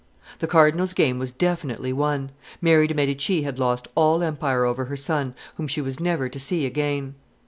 The cardinal's game was definitively won. Mary de' Medici had lost all empire over her son, whom she was never to see again.